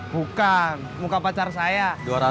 bukan muka pacar saya